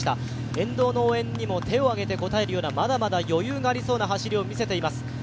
沿道の応援にも手を挙げて応えるまだまだ余裕の走りを見せています。